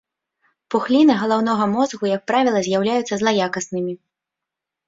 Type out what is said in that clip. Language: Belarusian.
Пухліны галаўнога мозгу, як правіла, з'яўляюцца злаякаснымі.